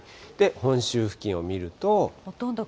本州付近を見ると。